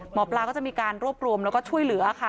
หมอปลาก็จะมีการรวบรวมแล้วก็ช่วยเหลือค่ะ